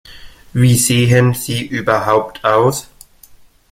Wie sehen Sie überhaupt aus?